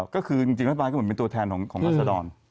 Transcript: ก็คือจริงรัฐบาลก็เหมือนเป็นตัวแทนของรัศดร